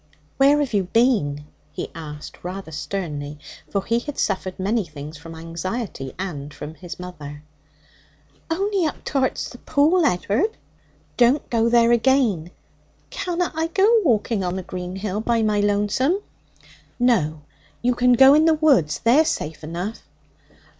'Where have you been?' he asked rather sternly, for he had suffered many things from anxiety and from his mother. 'Only up to'erts the pool, Ed'ard.' 'Don't go there again.' 'Canna I go walking on the green hill by my lonesome?' 'No. You can go in the woods. They're safe enough.'